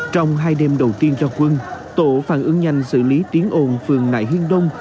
trong hai đêm đầu tiên ra quân tổ phản ứng nhanh xử lý tiếng ồn phường nại hiên đông